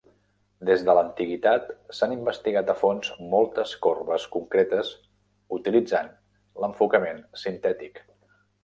Des de l'antiguitat s'han investigat a fons moltes corbes concretes, utilitzant l'enfocament sintètic.